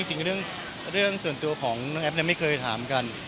เท่านั้นแหละครับ